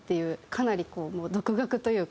かなりもう独学というか。